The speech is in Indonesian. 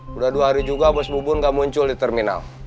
sudah dua hari juga bos bobon gak muncul di terminal